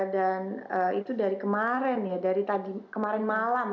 dan itu dari kemarin ya dari kemarin malam